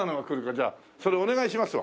じゃあそれお願いしますわ。